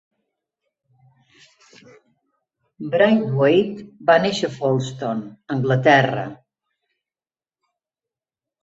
Braithwaite va néixer a Folston, Anglaterra.